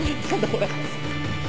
これ。